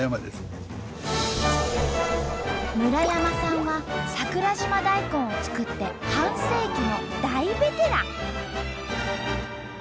村山さんは桜島大根を作って半世紀の大ベテラン！